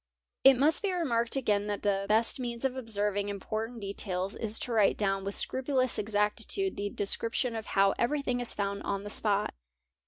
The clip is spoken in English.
| It must be remarked again that the best means of observing import ant details is to write down with scrupulous exactitude the description of how everything is found on the spot.